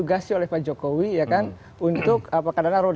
jadi saya tidak akan menjawabnya